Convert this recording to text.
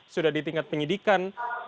sudah di tingkat penyidikan